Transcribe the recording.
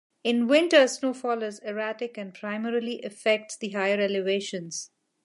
In winter snowfall is erratic and primarily affects the higher elevations.